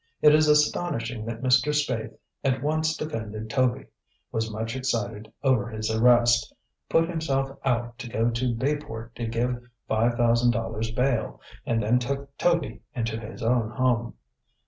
It is astonishing that Mr. Spaythe at once defended Toby; was much excited over his arrest; put himself out to go to Bayport to give five thousand dollars bail, and then took Toby into his own home.